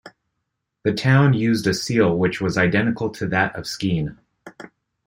The town used a seal which was identical to that of Skien.